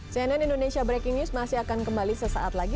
cnn indonesia breaking news masih akan kembali sesaat lagi